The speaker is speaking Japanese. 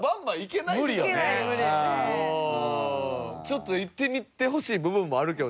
ちょっといってみてほしい部分もあるけどな。